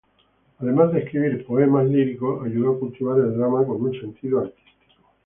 Además de escribir poemas líricos, ayudó a cultivar el drama con un sentido artístico.